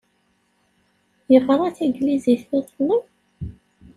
Yeɣṛa taglizit iḍelli?